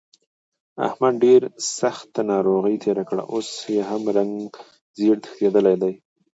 احمد ډېره سخته ناروغۍ تېره کړه، اوس یې هم رنګ زېړ تښتېدلی دی.